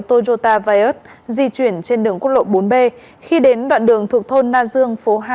toyota viot di chuyển trên đường quốc lộ bốn b khi đến đoạn đường thuộc thôn na dương phố hai